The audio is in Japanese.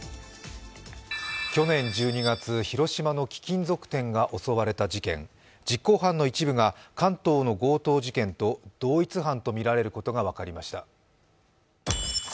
去年１２月、広島の貴金属店が襲われた事件実行犯の一部が関東の強盗事件と同一犯とみられることが分かりました。